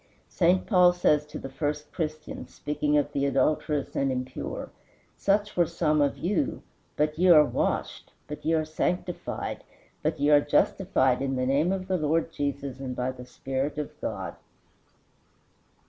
St. Paul says to the first Christians, speaking of the adulterous and impure, "Such were some of you, but ye are washed, but ye are sanctified, but ye are justified in the name of the Lord Jesus, and by the Spirit of God."